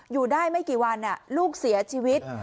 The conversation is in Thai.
อยู่ได้ไม่กี่วันลูกเสียชีวิต